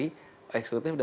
ini bukan hanya eksekutif ya